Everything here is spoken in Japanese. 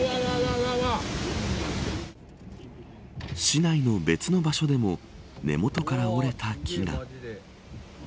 市内の別の場所でも根元から折れた木が。